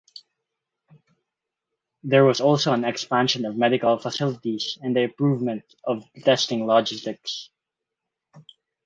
There was also an expansion of medical facilities and the improvement of testing logistics.